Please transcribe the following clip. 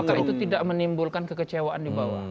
maka itu tidak menimbulkan kekecewaan di bawah